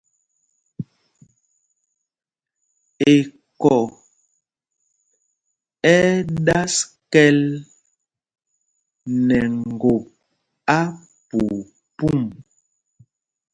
Eko ɛ́ ɛ́ ɗas kɛ̌l nɛ ŋgop apuupum.